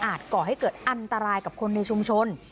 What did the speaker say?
ก่อให้เกิดอันตรายกับคนในชุมชน